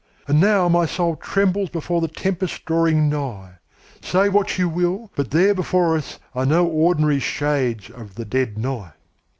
And now my soul trembles before the tempest drawing nigh. Say what you will, but there before us are no ordinary shades of the dead night."